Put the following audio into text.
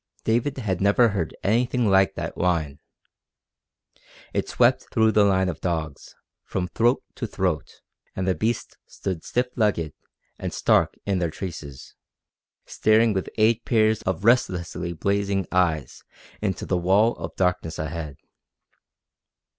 David had never heard anything like that whine. It swept through the line of dogs, from throat to throat, and the beasts stood stiff legged and stark in their traces, staring with eight pairs of restlessly blazing eyes into the wall of darkness ahead.